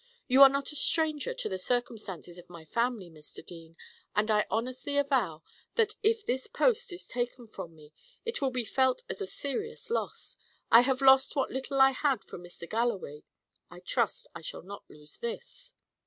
You are not a stranger to the circumstances of my family, Mr. Dean; and I honestly avow that if this post is taken from me, it will be felt as a serious loss. I have lost what little I had from Mr. Galloway; I trust I shall not lose this."